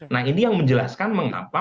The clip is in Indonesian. nah ini yang menjelaskan mengapa